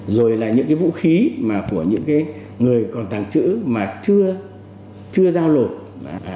rồi là những vũ khí của những người còn tàng trữ mà chưa sử dụng